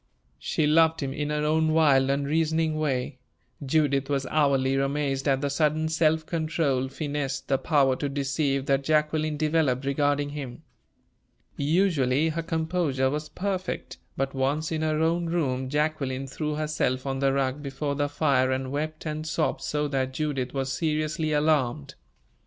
She loved him in her own wild, unreasoning way. Judith was hourly amazed at the sudden self control, finesse, the power to deceive, that Jacqueline developed regarding him. Usually her composure was perfect, but once in her own room, Jacqueline threw herself on the rug before the fire and wept and sobbed so that Judith was seriously alarmed.